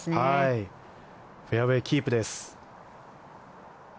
フェアウェーキープです。